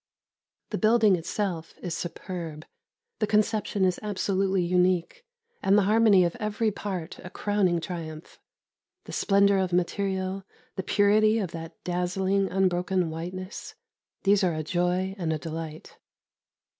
The building itself is superb. The conception is absolutely unique, and the harmony of every part a crowning triumph; the splendour of material, the purity of that dazzling, unbroken whiteness these are a joy and a delight.